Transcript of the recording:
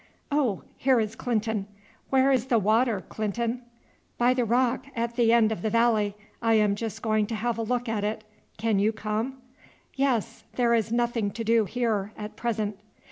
Oh, here is Clinton. Where is the water, Clinton?" "By that rock at the end of the valley. I am just going to have a look at it. Can you come?" "Yes; there is nothing to do here at present."